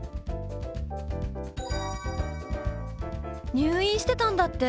入院してたんだって？